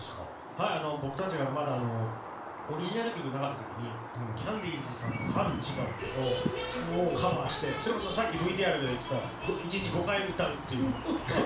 僕たちがまだオリジナル曲がなかった時にキャンディーズさんの「春一番」をカバーしてそれもさっきＶＴＲで映っていた１日５回歌うという。